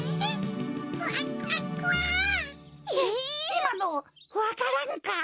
いいまのわか蘭か？